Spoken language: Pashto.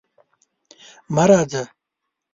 مه راځه!